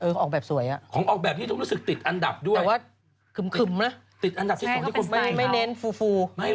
เออของออกแบบสวยอะ